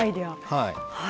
はい。